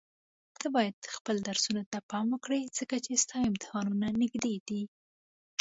ته بايد خپل درسونو ته پام وکړي ځکه چي ستا امتحانونه نيږدي دي.